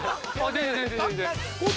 全然全然全然。